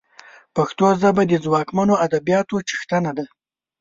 پښتو ژبه د ځواکمنو ادبياتو څښتنه ده